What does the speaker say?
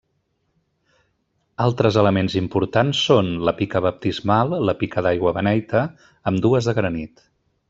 Altres elements importants són: la pica baptismal, la pica d'aigua beneita, ambdues de granit.